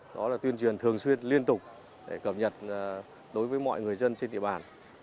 đó là tuyên truyền thường xuyên liên tục để cập nhật đối với mọi người dân trên địa bàn